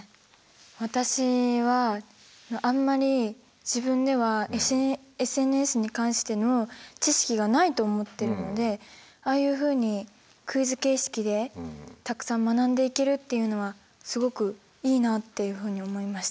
私はあんまり自分ではＳＮＳに関しての知識がないと思ってるのでああいうふうにクイズ形式でたくさん学んでいけるっていうのはすごくいいなっていうふうに思いました。